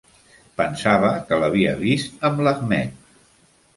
Pensava que l'havia vist amb l'Ahmed.